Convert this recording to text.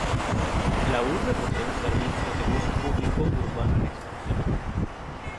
La urbe posee un servicio de bus público urbano en expansión.